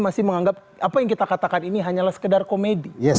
masih menganggap apa yang kita katakan ini hanyalah sekedar komedi